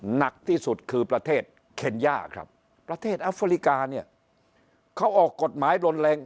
หนักที่สุดคือประเทศเคนย่าครับประเทศอัฟริกาเนี่ยเขาออกกฎหมายรุนแรง